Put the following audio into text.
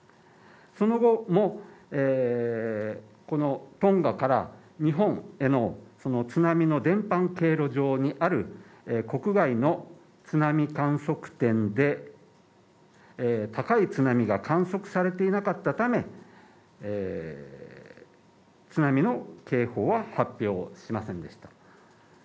その後もトンガから、日本への津波の伝播経路上にある国外の津波観測点で高い津波が観測されていなかったため、津波の警報は発表しませんでした。